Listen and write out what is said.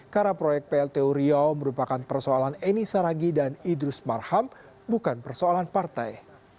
karena proyek plt uriau merupakan persoalan eni saragi dan idrus marham bukan persoalan partai